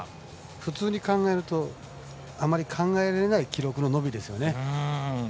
普通に考えるとあまり考えられない記録の伸びですよね。